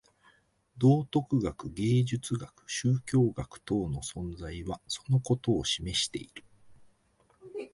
道徳学、芸術学、宗教学等の存在はそのことを示している。